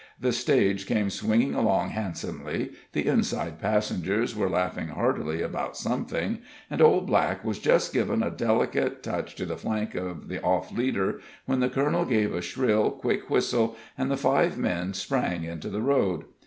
The stage came swinging along handsomely; the inside passengers were laughing heartily about something, and Old Black was just giving a delicate touch to the flank of the off leader, when the colonel gave a shrill, quick whistle, and the five men sprang into the road.